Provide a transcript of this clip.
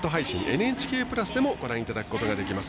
ＮＨＫプラスでもご覧いただくことができます。